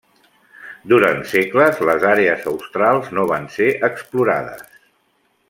Durant segles les àrees australs no van ser explorades.